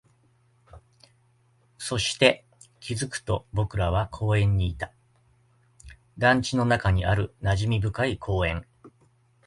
そして、気づくと僕らは公園にいた、団地の中にある馴染み深い公園